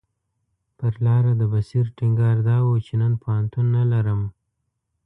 پر لاره د بصیر ټینګار دا و چې نن پوهنتون نه لرم.